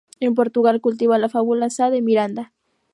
En Portugal cultiva la fábula Sá de Miranda.